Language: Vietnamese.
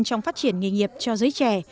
trong phát triển nghề nghiệp cho giới trẻ